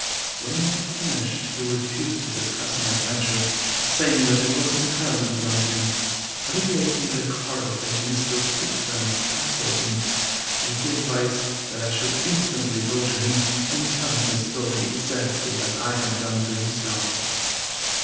When he had finished, he refused to discuss my adventure, saying that it was entirely beyond him, but he gave me the card of a Mr. Picton at Castleton, with the advice that I should instantly go to him and tell him the story exactly as I had done to himself.